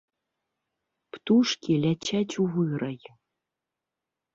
Птушкі ляцяць у вырай.